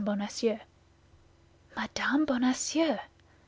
Bonacieux. Mme. Bonacieux!